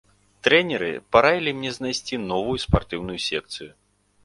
Трэнеры параілі мне знайсці новую спартыўную секцыю.